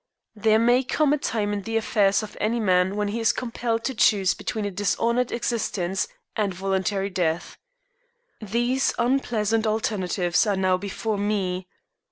There may come a time in the affairs of any man when he is compelled to choose between a dishonored existence and voluntary death. These unpleasant alternatives are now before me.